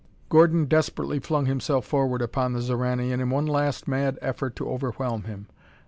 Gordon desperately flung himself forward upon the Xoranian in one last mad effort to overwhelm him.